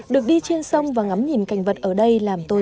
được đi trên sông và ngắm nhìn cảnh vật ở đây